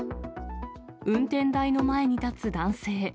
運転台の前に立つ男性。